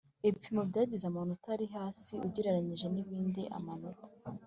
Ibipimo byagize amanota ari hasi ugereranyije n ibindi amanota